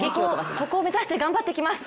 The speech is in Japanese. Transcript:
そこを目指して頑張っていきます。